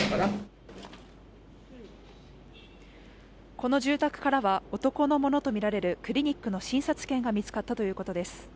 この住宅からは男のものと見られるクリニックの診察券が見つかったということです